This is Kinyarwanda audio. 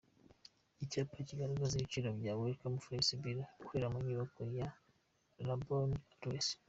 Icyapa kigaragaza ibiciro bya Welcome forex bureau ikorera mu nyubako ya la bonne adresse.